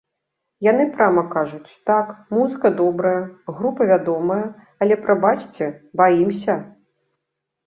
Яны прама кажуць, так, музыка добрая, група вядомая, але, прабачце, баімся.